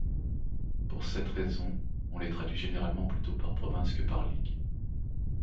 Pour cette raison, on les traduit généralement plutôt par province que par ligue.